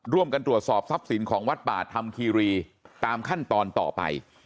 ร่วมกันตรวจสอบทรัพย์สินของวัดป่าธรรมคีรีตามขั้นตอนต่อไป